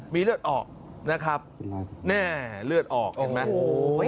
มีเลือดออกนะครับแน่เลือดออกเห็นไหม